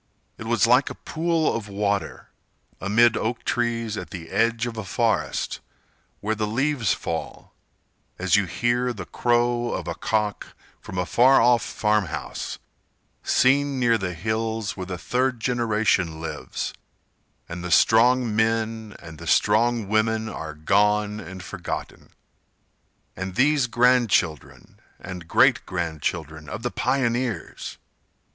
It was like a pool of water, Amid oak trees at the edge of a forest, Where the leaves fall, As you hear the crow of a cock From a far off farm house, seen near the hills Where the third generation lives, and the strong men And the strong women are gone and forgotten. And these grand children and great grand children Of the pioneers!